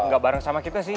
gak bareng sama kita sih